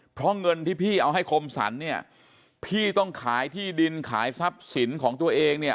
เพราะเงินที่พี่เอาให้คมสรรเนี่ยพี่ต้องขายที่ดินขายทรัพย์สินของตัวเองเนี่ย